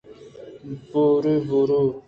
برے برے